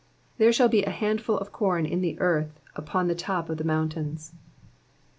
^^ There sJiall he an handful of corn in tJie eartli upon tie top of the mountains.'